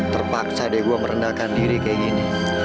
terpaksa deh gue merendahkan diri kayak gini